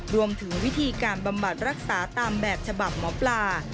รวมถึงวิธีการบำบัดรักษาตามแบบฉบับหมอปลา